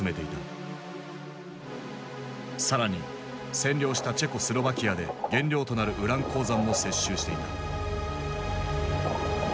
更に占領したチェコスロバキアで原料となるウラン鉱山も接収していた。